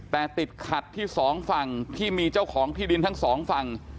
แต่ติดขัดที่สองฝั่งที่มีเจ้าของที่ดินทั้งสองฝั่ง